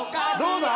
・どうだ！？